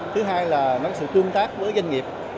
thứ hai là sự tương tác với doanh nghiệp